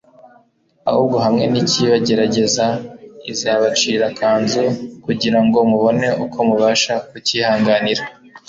ahubwo hamwe n'ikibagerageza izabacira akanzu, kugira ngo mubone uko mubasha kucyihanganira.